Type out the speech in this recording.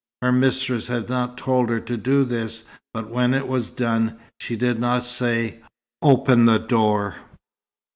Her mistress had not told her to do this, but when it was done, she did not say, "Open the door."